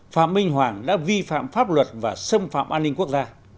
phạm minh hoàng đã vi phạm pháp luật và xâm phạm an ninh quốc gia